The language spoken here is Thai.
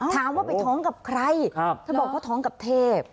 ถามว่าไปท้องกับใครเธอบอกว่าท้องกับเทพ